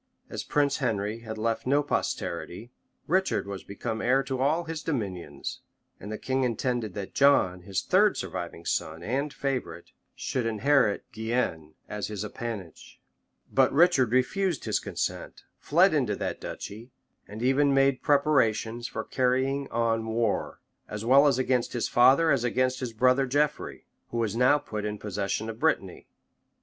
As Prince Henry had left no posterity, Richard was become heir to all his dominions; and the king intended that John, his third surviving son and favorite, should inherit Guienne as his appanage; but Richard refused his consent, fled into that duchy, and even made preparations for carrying on war, as well against his father as against his brother Geoffrey, who was now put in possession of Brittany.